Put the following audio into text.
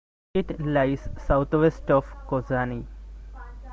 It lies southwest of Kozani.